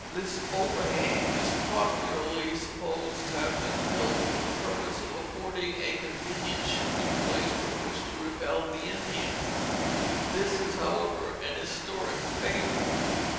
This "overhang" is popularly supposed to have been built for the purpose of affording a convenient shooting place from which to repel the Indians. This is, however, an historic fable.